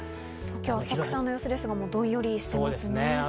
今日浅草の様子ですが、どんよりしてますね。